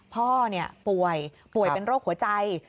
พ่อป่วยป่วยเป็นโรคหัวใจ